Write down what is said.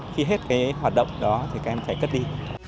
khi hết cái hoạt động đó thì các em phải cất đi